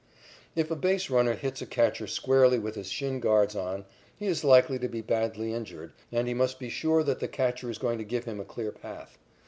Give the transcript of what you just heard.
If a base runner hits a catcher squarely with his shin guards on, he is likely to be badly injured, and he must be sure that the catcher is going to give him a clear path.